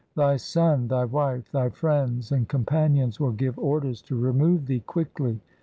Thy son, thy wife, thy friends, and companions will give orders to remove thee quickly.